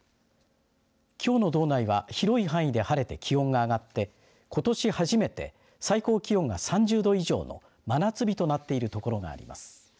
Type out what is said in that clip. きょうの道内は広い範囲で晴れて、気温が上がってことし初めて最高気温が３０度以上の真夏日となっている所があります。